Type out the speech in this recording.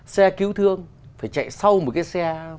xe cứu thương phải chạy sau một cái xe